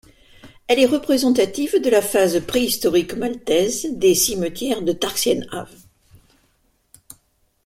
Elle est représentative de la phase préhistorique maltaise des cimetières de Tarxien – av.